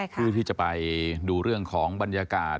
เพื่อที่จะไปดูเรื่องของบรรยากาศ